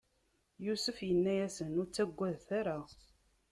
Yusef inna-yasen: Ur ttagadet ara!